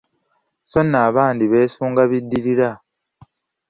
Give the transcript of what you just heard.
Sso nno abandi beesunga biddirira.